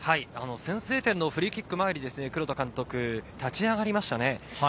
先制点のフリーキックの前に黒田監督、立ち上がりました。